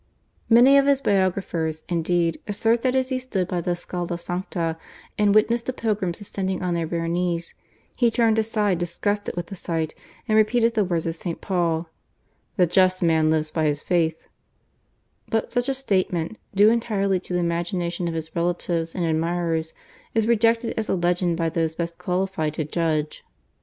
Many of his biographers, indeed, assert that, as he stood by the /Scala Sancta/ and witnessed the pilgrims ascending on their bare knees, he turned aside disgusted with the sight and repeated the words of St. Paul, "the just man lives by his faith"; but such a statement, due entirely to the imagination of his relatives and admirers is rejected as a legend by those best qualified to judge.